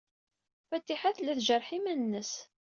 Fatiḥa tella tjerreḥ iman-nnes.